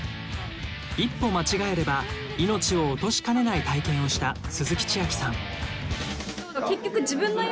一歩間違えれば命を落としかねない体験をした鈴木千秋さん。